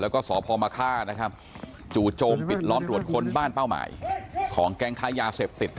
ก็สอบพอมาฆ่านะครับจู่โจมปิดร้อนรวดคนบ้านเป้าหมายของแกงค้ายาเสพติด